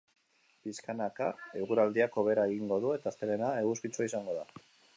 Pixkanaka eguraldiak hobera egingo du eta astelehena eguzkitsua izango da.